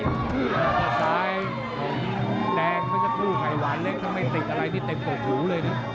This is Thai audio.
แล้วข้อสายแดงก็จะผู้ไขวานเล็กทำไมติดอะไรที่เต็มโปะหูเลยนะ